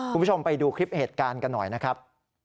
คุณผู้ชมไปดูคลิปเหตุการณ์กันหน่อยนะครับ